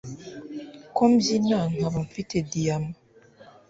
ko mbyina nkaba mfite diyama